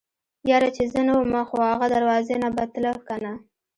يره چې زه نه ومه خو اغه دروازې نه به تله کنه.